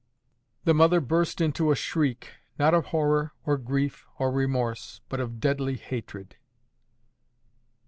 The mother burst into a shriek—not of horror, or grief, or remorse, but of deadly hatred.